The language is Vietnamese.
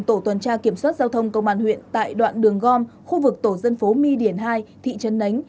tổ tuần tra kiểm soát giao thông công an huyện tại đoạn đường gom khu vực tổ dân phố my điển hai thị trấn nánh